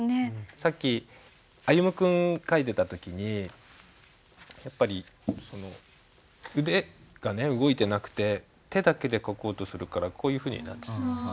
さっき歩夢君書いてた時にやっぱり筆が動いてなくて手だけで書こうとするからこういうふうになってた。